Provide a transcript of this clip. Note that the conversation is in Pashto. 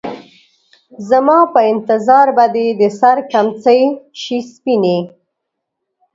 زما په انتظار به دې د سـر کمڅـۍ شي سپينې